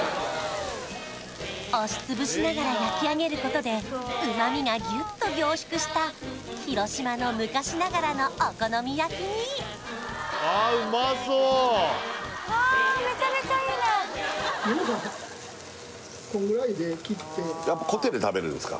押しつぶしながら焼き上げることで旨味がギュッと凝縮した広島の昔ながらのお好み焼きにわあみなさんこんぐらいで切ってやっぱコテで食べるんですか？